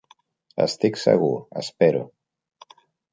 Estic segur, espero.